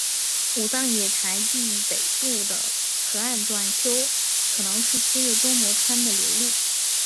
武藏野台地北部的河岸段丘可能是昔日多摩川的流路。